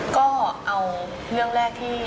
ก็เอาเรื่องแรกที่